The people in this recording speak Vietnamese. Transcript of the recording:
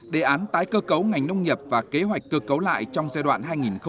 đề án tái cơ cấu ngành nông nghiệp và kế hoạch cơ cấu lại trong giai đoạn hai nghìn một mươi bảy hai nghìn hai mươi